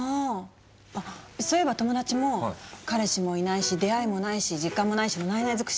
あっそういえば友達も「彼氏もいないし出会いもないし時間もないしのないない尽くし。